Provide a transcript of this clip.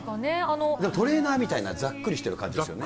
トレーナーみたいな、ざっくりしている感じですよね。